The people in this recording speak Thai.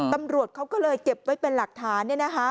ตำรวจเขาก็เลยเก็บไว้เป็นหลักฐาน